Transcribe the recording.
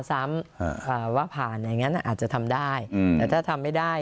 ซ้ำว่าผ่านอย่างนั้นอาจจะทำได้แต่ถ้าทำไม่ได้